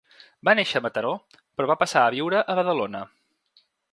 Va néixer a Mataró però va passar a viure a Badalona.